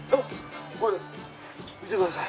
これ見てください。